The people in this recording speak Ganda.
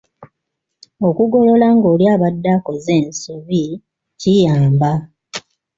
Okugolola ng’oli abadde akoze ensobi kiyamba.